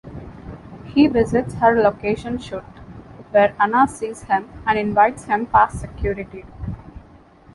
He visits her location shoot, where Anna sees him and invites him past security.